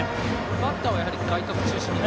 バッターは外角中心ですか。